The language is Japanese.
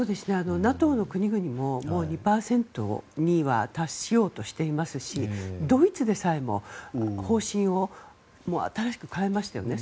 ＮＡＴＯの国々も２％には達しようとしていますしドイツでさえも方針を新しく変えましたよね。